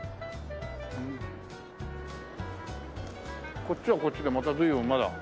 こっちはこっちでまた随分まだ。